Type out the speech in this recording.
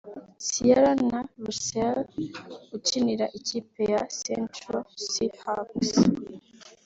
Ciara na Russell ukinira ikipe ya Seattle Seahawks